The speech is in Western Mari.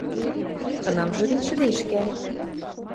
Кынамжы гӹнь шӹдешкӓ.